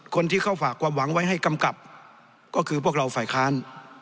คนที่เขาฝากความหวังไว้ให้กำกับก็คือพวกเราฝ่ายค้าน